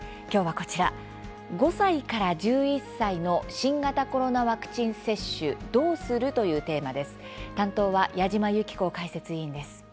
きょうは、こちら「５歳１１歳の新型コロナワクチン接種どうする？」というテーマです。